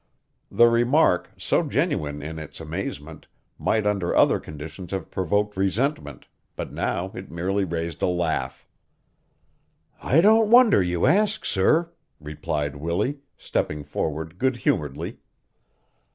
The remark, so genuine in its amazement, might under other conditions have provoked resentment but now it merely raised a laugh. "I don't wonder you ask, sir," replied Willie, stepping forward good humoredly.